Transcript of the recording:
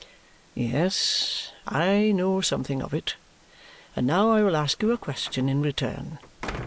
"Yes, I know something of it. And now I will ask you a question in return.